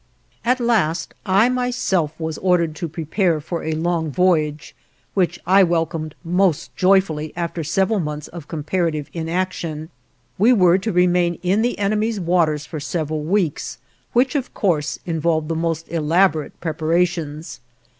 At last, I, myself, was ordered to prepare for a long voyage, which I welcomed most joyfully after several months of comparative inaction. We were to remain in the enemy's waters for several weeks, which, of course, involved the most elaborate preparations.